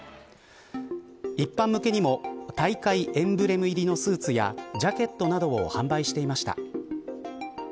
一般向けにも大会エンブレム入りのスーツやジャケットなどを販売していました。